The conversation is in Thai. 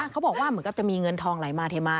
เขาบอกว่าเหมือนกับจะมีเงินทองไหลมาเทมา